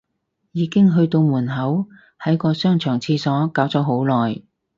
已經去到門口，喺個商場廁所搞咗好耐